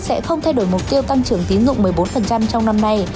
sẽ không thay đổi mục tiêu tăng trưởng tín dụng một mươi bốn trong năm nay